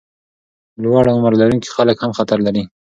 لوړ عمر لرونکي خلک هم خطر لري.